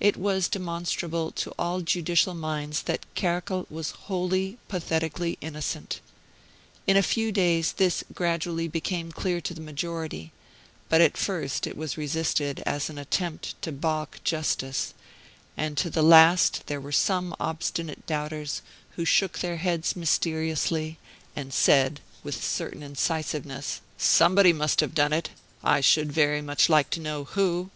It was demonstrable to all judicial minds that Kerkel was wholly, pathetically innocent. In a few days this gradually became clear to the majority, but at first it was resisted as an attempt to balk justice; and to the last there were some obstinate doubters, who shook their heads mysteriously, and said, with a certain incisiveness, "Somebody must have done it; I should very much like to know who."